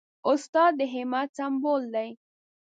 استاد د همت سمبول دی.